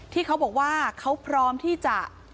ที่เขาบอกว่าเขาพร้อมที่จะ